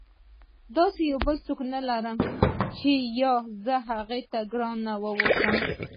داسې بل څوک نه لرم چې یا زه هغه ته ګرانه واوسم.